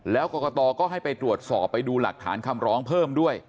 แล้วกรกตก็ให้ไปตรวจสอบไปดูหลักฐานคำร้องเพิ่มด้วย